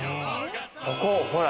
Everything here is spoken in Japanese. ここほら。